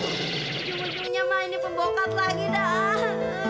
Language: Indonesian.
ujung ujungnya mah ini pembokap lagi dah